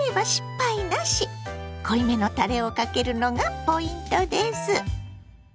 濃いめのたれをかけるのがポイントです。